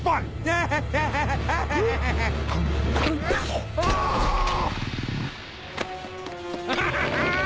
ハハハハ！